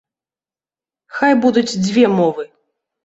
Хай будуць дзве мовы.